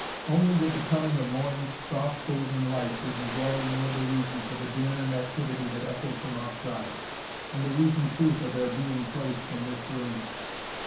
Only with the coming of morning's soft golden light did McGuire know the reason for the din and activity that echoed from outside and the reason, too, for their being placed in this room.